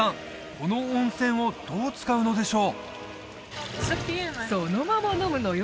この温泉をどう使うのでしょう？